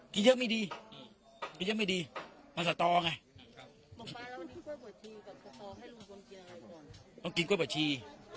กินเยอะไม่ดีต้องต้องกินก้วยบ่าชี